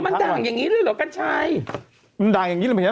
มันด่างอย่างนี้เลยล่ะ